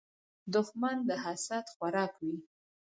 دښمن د حسد خوراک وي